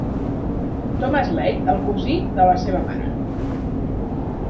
Thomas Leigh, el cosí de la seva mare.